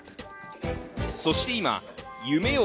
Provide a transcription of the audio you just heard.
そして今、夢よ